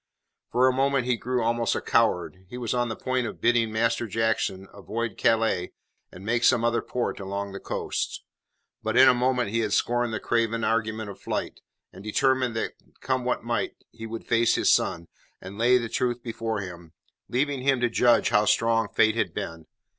For a moment he grew almost a coward. He was on the point of bidding Master Jackson avoid Calais and make some other port along the coast. But in a moment he had scorned the craven argument of flight, and determined that come what might he would face his son, and lay the truth before him, leaving him to judge how strong fate had been.